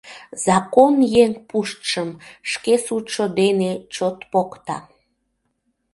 Закон еҥ пуштшым шке судшо дене чот покта.